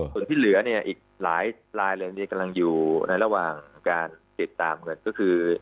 ส่วนที่เหลือเนี่ยอีกหลายลายเลยกำลังอยู่ในระหว่างการติดตามเงินก็คือ